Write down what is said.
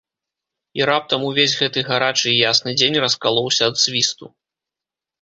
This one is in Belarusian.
І раптам увесь гэты гарачы і ясны дзень раскалоўся ад свісту.